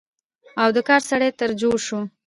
او د کار سړى تر جوړ شو،